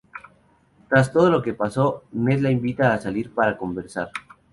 Tras todo lo que pasó, Ned la invita a salir para conversar.